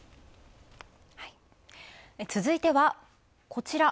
続いてはこちら。